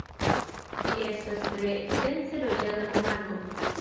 Ĝi estas tre dense loĝata komarko.